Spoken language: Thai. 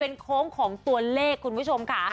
เป็นโค้งของตัวเลขคุณผู้ชมค่ะ